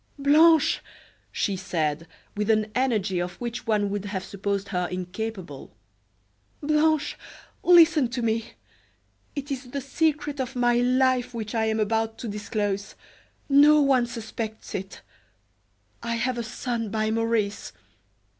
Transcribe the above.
"Blanche!" she said, with an energy of which one would have supposed her incapable. "Blanche, listen to me. It is the secret of my life which I am about to disclose; no one suspects it. I have a son by Maurice.